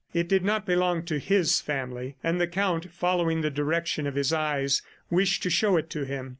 It did not belong to his family, and the Count, following the direction of his eyes, wished to show it to him.